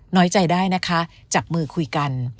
น้อยใจได้นะคะจับมือคุยกัน